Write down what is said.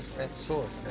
そうですね。